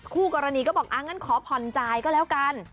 คู่กรณีก็บอกอ่างั้นขอผ่อนจ่ายก็แล้วกัน